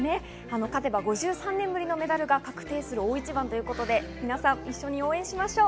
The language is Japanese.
勝てば５３年ぶりのメダルが確定する大一番ということで、みなさん、一緒に応援しましょう。